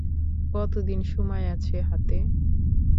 কতদিন সময় আছে হাতে?